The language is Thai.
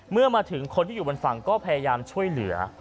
เมื่อมาถึงคนที่อยู่บนฝั่งก็พยายามช่วยเหลือ